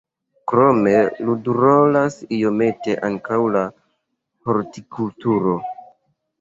Krome ludrolas iomete ankaŭ la hortikulturo.